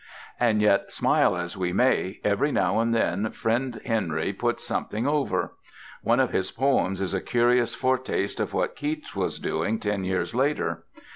And yet smile as we may, every now and then friend Henry puts something over. One of his poems is a curious foretaste of what Keats was doing ten years later.